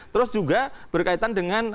terus juga berkaitan dengan